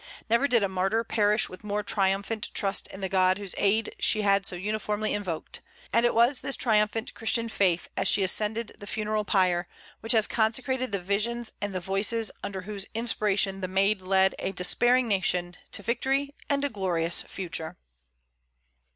Never did a martyr perish with more triumphant trust in the God whose aid she had so uniformly invoked. And it was this triumphant Christian faith as she ascended the funeral pyre which has consecrated the visions and the voices under whose inspiration the Maid led a despairing nation to victory and a glorious future.